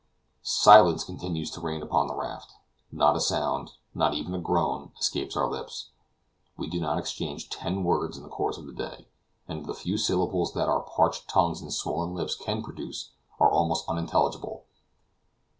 Silence continues to reign upon the raft. Not a sound, not even a groan, escapes our lips. We do not exchange ten words in the course of the day, and the few syllables that our parched tongues and swollen lips can pronounce are almost unintelligible.